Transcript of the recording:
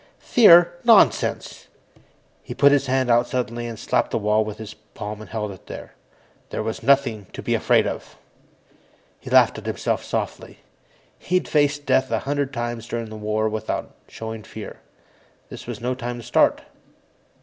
Fear? Nonsense! He put his hand out suddenly and slapped the wall with his palm and held it there. There was nothing to be afraid of! He laughed at himself softly. He'd faced death a hundred times during the war without showing fear; this was no time to start.